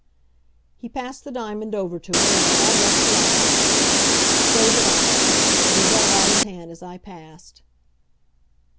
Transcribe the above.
He passed the diamond over to her, and they all left the office. So did I; but he held out his hand as I passed.